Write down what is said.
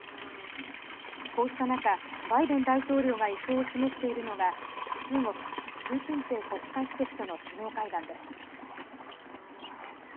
こうした中、バイデン大統領が意向を示しているのが中国、習近平国家主席との首脳会談です。